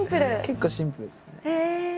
結構シンプルですね。